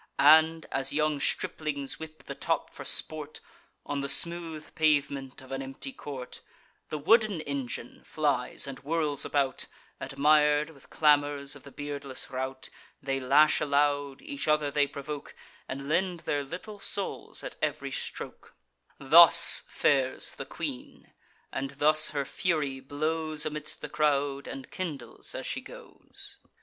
And, as young striplings whip the top for sport, On the smooth pavement of an empty court; The wooden engine flies and whirls about, Admir'd, with clamours, of the beardless rout; They lash aloud; each other they provoke, And lend their little souls at ev'ry stroke: Thus fares the queen; and thus her fury blows Amidst the crowd, and kindles as she goes.